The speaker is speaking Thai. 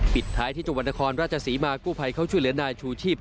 ปิดท้ายที่จมนครราชสีมากุภัยเขาช่วยเหลือนายชูชีพ